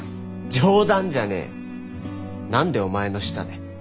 冗談じゃねえ何でお前の下で。